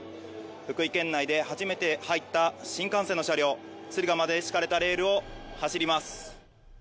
福井県内で初めて入った新幹線車両、敦賀まで敷かれた路線を走行します。